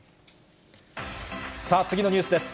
さあ、次のニュースです。